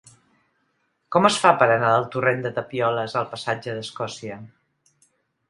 Com es fa per anar del torrent de Tapioles al passatge d'Escòcia?